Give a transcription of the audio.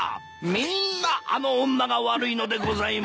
みんなあの女が悪いのでございます。